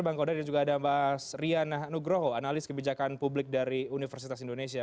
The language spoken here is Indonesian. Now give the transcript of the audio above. bang kodari juga ada mas rian nugroho analis kebijakan publik dari universitas indonesia